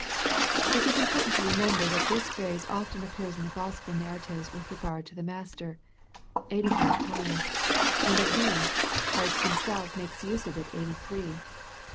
It is important to remember that this phrase occurs in the Gospel narratives with regard to the Master, eighty five times, and of these, Christ Himself makes use of it eighty three.